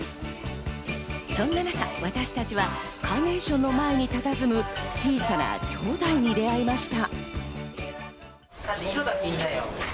そんな中、私たちはカーネーションの前にたたずむ小さな兄妹に出会いました。